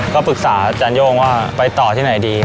ก็ปรึกษาอาจารย่งว่าไปต่อที่ไหนดี